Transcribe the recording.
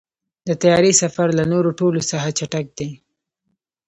د طیارې سفر له نورو ټولو څخه چټک دی.